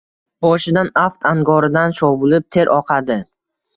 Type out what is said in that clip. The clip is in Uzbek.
Boshidan aft-angoridan shovullab ter oqadi.